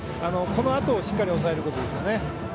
このあとをしっかり抑えることですね。